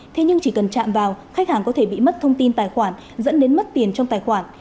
thế nhưng chỉ cần chạm vào khách hàng có thể bị mất thông tin tài khoản dẫn đến mất tiền trong tài khoản